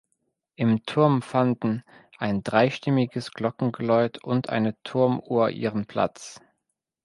Im Turm fanden ein dreistimmiges Glockengeläut und eine Turmuhr ihren Platz.